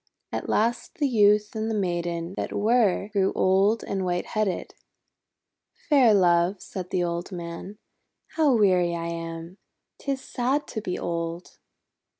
At last the Youth and the Maiden that were, grew old and white headed. "Fair Love," said the old man, "how weary I am! 'Tis sad to be old."